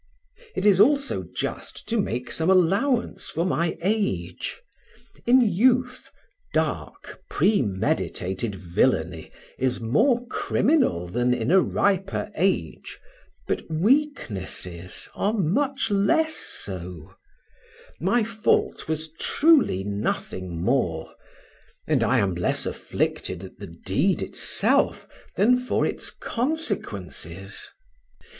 It is also just to make some allowance for my age. In youth, dark, premeditated villainy is more criminal than in a riper age, but weaknesses are much less so; my fault was truly nothing more; and I am less afflicted at the deed itself than for its consequences.